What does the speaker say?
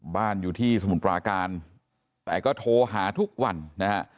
บ้านอยู่ที่สมุทรปราการแต่ก็โทรหาทุกวันนะฮะ